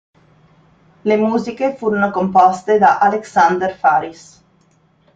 Le musiche furono composte da Alexander Faris.